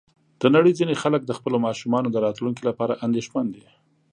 د نړۍ ځینې خلک د خپلو ماشومانو د راتلونکي لپاره اندېښمن دي.